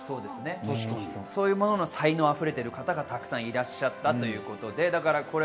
そういう才能があふれる方達がたくさんいらっしゃったということです。